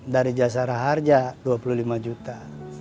dari jasara harja dua puluh lima juta